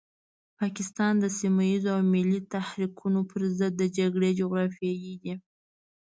پاکستان د سيمه ييزو او ملي تحريکونو پرضد د جګړې جغرافيې ده.